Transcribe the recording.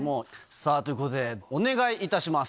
さあ、ということで、お願いいたします。